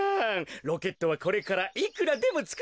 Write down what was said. ロケットはこれからいくらでもつくれまシュ。